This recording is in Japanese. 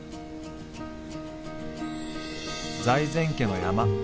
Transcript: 財前家の山。